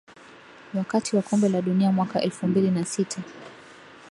Wakati wa Kombe la Dunia mwaka elfu mbili na sita